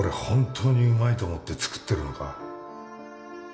本当にうまいと思って作ってるのか？